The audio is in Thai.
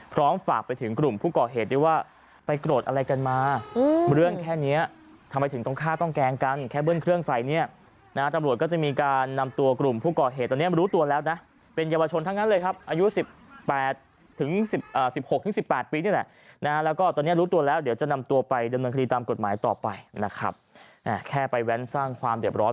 ผู้ก่อเหตุดีว่าไปโกรธอะไรกันมาเรื่องแค่เนี้ยทำไมถึงต้องฆ่าต้องแกล้งกันแค่เบื้องเครื่องใส่เนี้ยนะฮะตำรวจก็จะมีการนำตัวกลุ่มผู้ก่อเหตุตอนเนี้ยรู้ตัวแล้วนะเป็นเยาวชนทั้งนั้นเลยครับอายุสิบแปดถึงสิบอ่าสิบหกถึงสิบแปดปีนี่แหละนะฮะแล้วก็ตอนเนี้ยรู้ตัวแล้วเดี๋ยวจะนำตัว